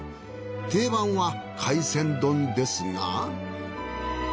定番は海鮮丼ですが。